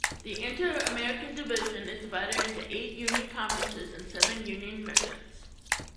The Inter-American Division is divided into eight Union Conferences and seven Union Missions.